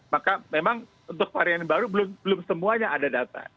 maka memang untuk varian baru belum semuanya ada data